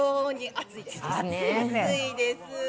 暑いです。